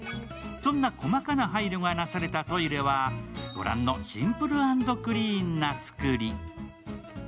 そんな細かな配慮がなされたトイレは御覧のシンプル＆クリーンな造り。